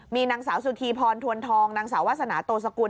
มีนางสาวสุธีพรทวนทองนางสาววาสนาโตสกุล